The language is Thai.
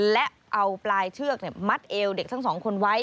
และเอาปลายเชือกมัดเอวเด็กทั้งสองคนไว้